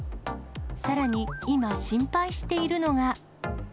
さらに今、心配しているのが。